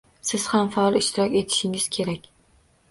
Siz ham faol ishtirok etishingiz kerak.